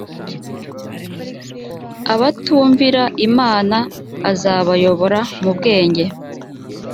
abatumvira imana azabayobora mu bwenge